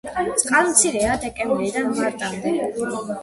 წყალმცირეა დეკემბრიდან მარტამდე.